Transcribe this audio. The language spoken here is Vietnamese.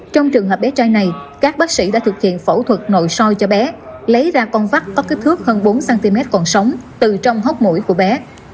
trong trường hợp bé trai này các bác sĩ đã thực hiện phẫu thuật nội soi cho bé lấy ra con vắt có kích thước hơn bốn cm còn sống từ trong hốc mũi của bé